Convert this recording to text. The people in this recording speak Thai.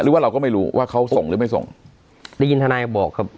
หรือว่าเราก็ไม่รู้ว่าเขาส่งหรือไม่ส่งได้ยินทนายบอกครับ